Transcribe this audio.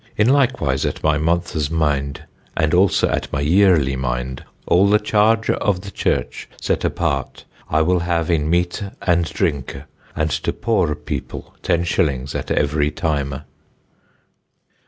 In lykewise at my monthes mynd and also at my yerely mynd all the charge of the church set apart I will have in meate and drynke and to pore people 10_s._ at every tyme."